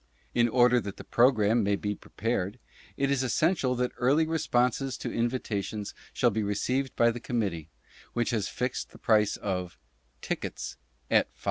In order that the Programme may be prepared, it is essential that early re sponses to invitations shall be received by the Committee, which has fixed the price of TICKETS AT $5.